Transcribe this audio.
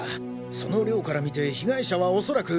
その量から見て被害者はおそらく。